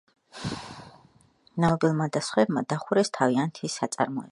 ნავთობის დიდმა ფირმებმა, ნობელმა და სხვებმა, დახურეს თავიანთი საწარმოები.